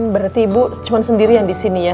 berarti ibu cuma sendirian disini ya